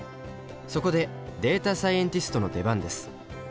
そこでデータサイエンティストの出番です。